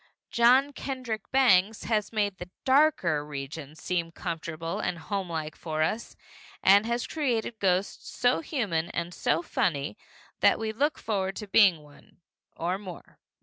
John Kendrick Bangs has made the darker regions seem comfortable and homelike for us, and has created ghosts so human and so funny that we look forward to being one or more.